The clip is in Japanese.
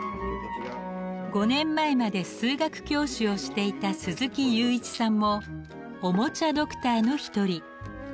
５年前まで数学教師をしていた鈴木有一さんもおもちゃドクターの一人。